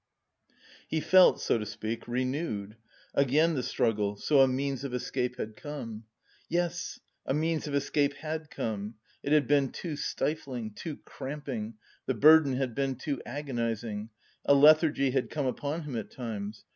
He felt, so to speak, renewed; again the struggle, so a means of escape had come. "Yes, a means of escape had come! It had been too stifling, too cramping, the burden had been too agonising. A lethargy had come upon him at times.